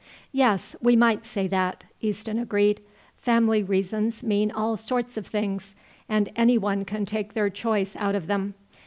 "Yes, we might say that," Easton agreed; "family reasons mean all sorts of things, and anyone can take their choice out of them.